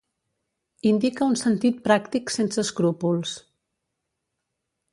Indica un sentit pràctic sense escrúpols.